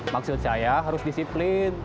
maksud saya harus disiplin